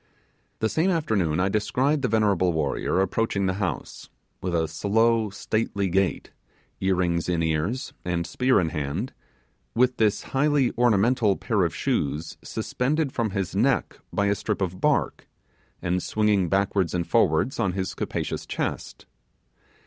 The same afternoon I descried the venerable warrior approaching the house, with a slow, stately gait, ear rings in ears, and spear in hand, with this highly ornamental pair of shoes suspended from his neck by a strip of bark, and swinging backwards and forwards on his capacious chest.